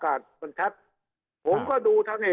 คราวนี้เจ้าหน้าที่ป่าไม้รับรองแนวเนี่ยจะต้องเป็นหนังสือจากอธิบดี